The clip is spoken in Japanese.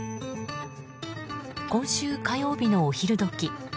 今週火曜日のお昼時